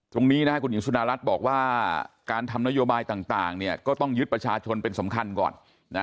ตรงนี้นะคุณหญิงสุดารัฐบอกว่าการทำนโยบายต่างเนี่ยก็ต้องยึดประชาชนเป็นสำคัญก่อนนะ